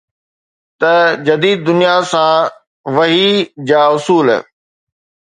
ته جديد دنيا سان وحي جا اصول